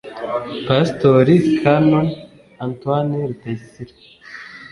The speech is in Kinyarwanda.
Pasitori Canon Antoine Rutayisire